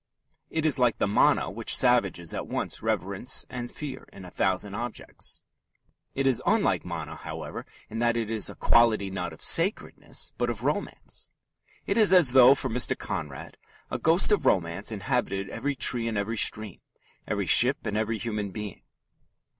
It is like the "mana" which savages at once reverence and fear in a thousand objects. It is unlike "mana," however, in that it is a quality not of sacredness, but of romance. It is as though for Mr. Conrad a ghost of romance inhabited every tree and every stream, every ship and every human being.